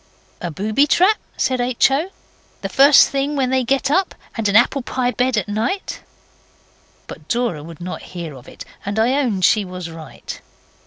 'A booby trap,' said H. O., 'the first thing when they get up, and an apple pie bed at night.' But Dora would not hear of it, and I own she was right.